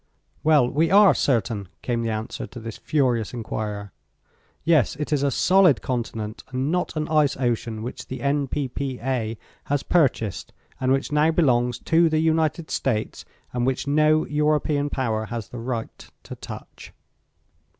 "Well, we are certain," came the answer to this furious inquirer. "Yes, it is a solid continent and not an ice ocean which the N.P.P.A. has purchased and which now belongs to the United States and which no European power has the right to touch."